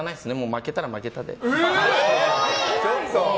負けたら負けたで。